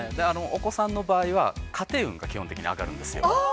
お子さんの場合は家庭運が基本的に上がるんですよ。